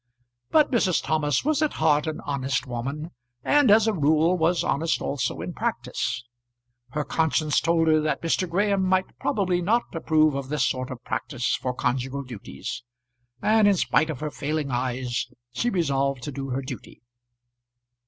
But Mrs. Thomas was at heart an honest woman, and as a rule was honest also in practice. Her conscience told her that Mr. Graham might probably not approve of this sort of practice for conjugal duties, and in spite of her failing eyes she resolved to do her duty.